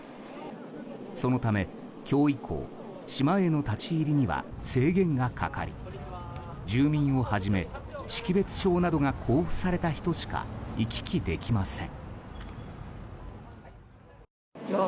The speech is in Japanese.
そのため、今日以降島への立ち入りには制限がかかり住民をはじめ、識別証などが交付された人しか行き来できません。